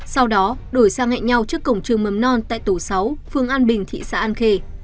sau đó đổi sang hẹn nhau trước cổng trường mầm non tại tổ sáu phương an bình thị xã an khê